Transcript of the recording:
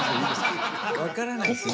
分からないですね。